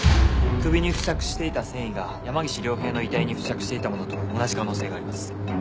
首に付着していた繊維が山岸凌平の遺体に付着していたものと同じ可能性があります。